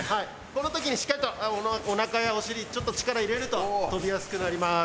この時にしっかりとおなかやお尻ちょっと力入れると跳びやすくなります。